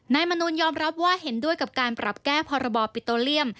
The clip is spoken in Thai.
มนุนยอมรับว่าเห็นด้วยกับการปรับแก้พรบปิโตเลียม